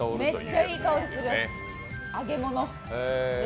めっちゃいい香りする、揚げ物。